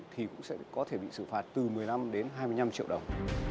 thì cũng sẽ có thể bị xử phạt từ một mươi năm đến hai mươi năm triệu đồng